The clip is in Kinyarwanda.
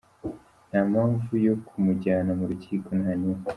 Nta mpamvu yo kumujyana mu rukiko, nta n’imwe.